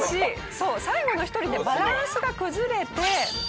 そう最後の１人でバランスが崩れて。